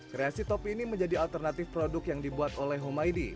kreasi topi ini menjadi alternatif produk yang dibuat oleh humaydi